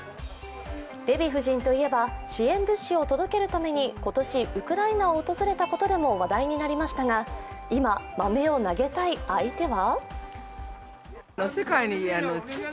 デヴィ夫人といえば支援物資を届けるために今年ウクライナを訪れたことでも話題になりましたが、今、豆を投げたい相手は？